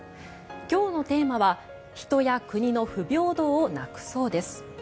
今日のテーマは「人や国の不平等をなくそう」です。